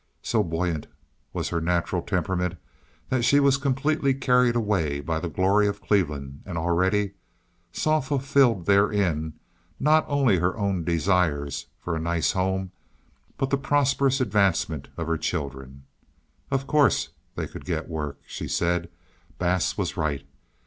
So buoyant was her natural temperament that she was completely carried away by the glory of Cleveland, and already saw fulfilled therein not only her own desires for a nice home, but the prosperous advancement of her children. "Of course they could get work," she said. Bass was right.